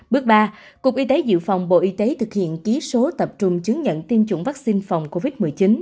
bước ba cục y tế dự phòng bộ y tế thực hiện ký số tập trung chứng nhận tiêm chủng vaccine phòng covid một mươi chín